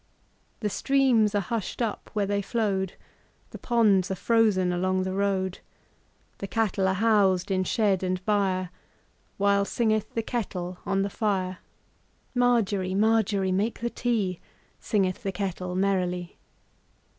The streams are hushed up where they flowed, The ponds are frozen along the road, The cattle are housed in shed and byreWhile singeth the kettle on the fire. Margery, Margery, make the tea, Singeth the kettle merrily.